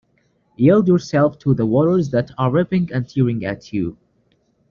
Yield yourself to the waters that are ripping and tearing at you.